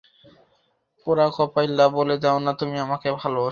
পোড়া কপাইল্যা, বলে দেও না, তুমি আমাকে ভালবাসো।